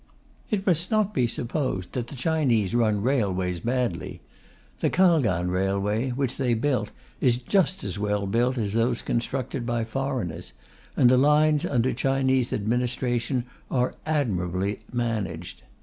It must not be supposed that the Chinese run railways badly. The Kalgan Railway, which they built, is just as well built as those constructed by foreigners; and the lines under Chinese administration are admirably managed.